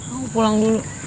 aku pulang dulu